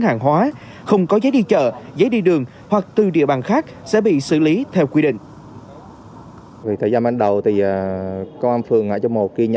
hàng hóa không có giấy đi chợ giấy đi đường hoặc từ địa bàn khác sẽ bị xử lý theo quy định